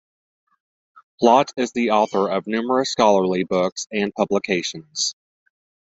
Plott is the author of numerous scholarly books and publications.